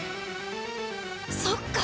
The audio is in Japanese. そっか！